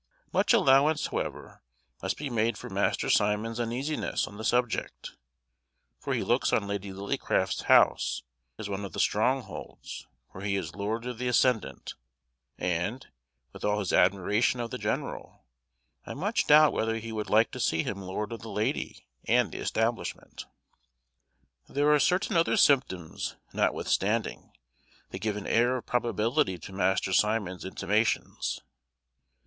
Much allowance, however, must be made for Master Simon's uneasiness on the subject, for he looks on Lady Lillycraft's house as one of the strongholds where he is lord of the ascendant; and, with all his admiration of the general, I much doubt whether he would like to see him lord of the lady and the establishment. There are certain other symptoms, notwithstanding, that give an air of probability to Master Simon's intimations.